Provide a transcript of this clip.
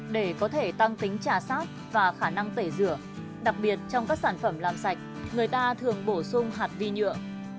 để có thể tăng tính trà sát và khả năng tẩy rửa đặc biệt trong các sản phẩm làm sạch người ta thường bổ sung hạt vi nhựa